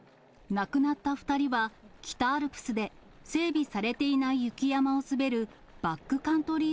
亡くなった２人は、北アルプスで整備されていない雪山を滑るバックカントリー